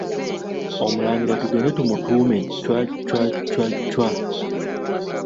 Omulangira tugende tumutuume Chwa, Chwa, Chwa, Chwa!